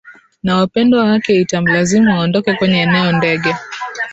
na wapendwa wake itamlazimu aondoke kwenye eneo ndege